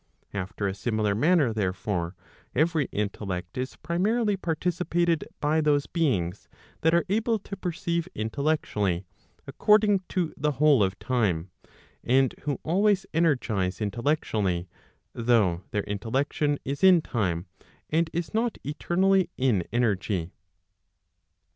After a similar manner therefore, every intellect is primarily participated by those beings that are able to perceive intellectually, according to the whole of time, and who always energize intellectually, though their intellection is in time, and is not eternally in energy.